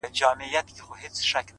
سري وخت دی! ځان له دغه ښاره باسه!